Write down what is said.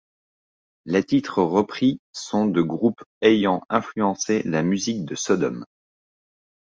Les titres repris sont de groupes ayant influencé la musique de Sodom.